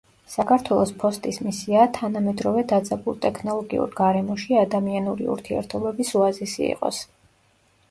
საქართველოს ფოსტის მისიაა თანამედროვე დაძაბულ ტექნოლოგიურ გარემოში, ადამიანური ურთიერთობების ოაზისი იყოს.